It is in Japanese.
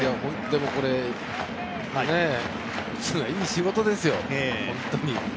でもこれ、いい仕事ですよ。